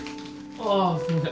あすいません。